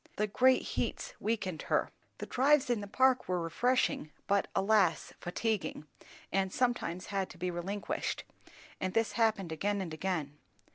The great heats weakened her. The drives in the Park were refreshing, but alas, fatiguing, and sometimes had to be relinquished; and this happened again and again.